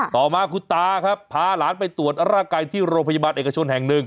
ต่อมาคุณตาครับพาหลานไปตรวจร่างกายที่โรงพยาบาลเอกชนแห่งหนึ่ง